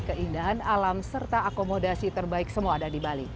keindahan alam serta akomodasi terbaik semua ada di bali